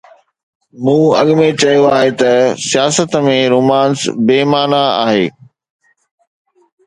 مون اڳ ۾ چيو آهي ته سياست ۾ رومانس بي معنيٰ آهي.